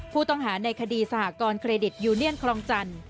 ผู้ต้องหาในคดีสหกรณ์เครดิตยูเนียนครองจันทร์